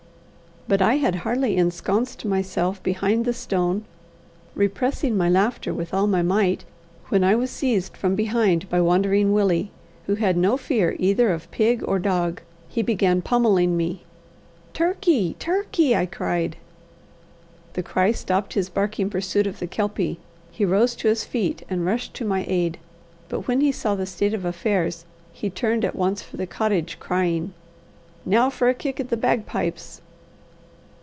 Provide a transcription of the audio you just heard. But I had hardly ensconced myself behind the stone, repressing my laughter with all my might, when I was seized from behind by Wandering Willie, who had no fear either of pig or dog. He began pommelling me. "Turkey! Turkey!" I cried. The cry stopped his barking pursuit of the Kelpie. He rose to his feet and rushed to my aid. But when he saw the state of affairs, he turned at once for the cottage, crying: "Now for a kick at the bagpipes!"